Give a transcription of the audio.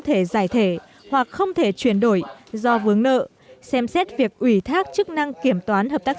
thể giải thể hoặc không thể chuyển đổi do vướng nợ xem xét việc ủy thác chức năng kiểm toán hợp tác